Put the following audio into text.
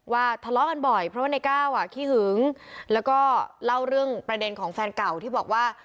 ทะเลาะกันบ่อยเพราะว่าในก้าวอ่ะขี้หึงแล้วก็เล่าเรื่องประเด็นของแฟนเก่าที่บอกว่า